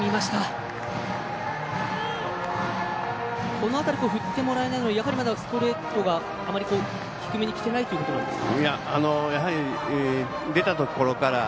この辺り振ってもらえないのはやはりまだストレートが低めにきてないということなんですか。